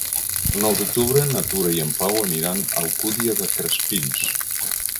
El nou d'octubre na Tura i en Pau aniran a l'Alcúdia de Crespins.